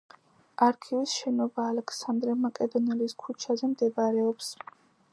არქივის შენობა ალექსანდრე მაკედონელის ქუჩაზე მდებარეობს.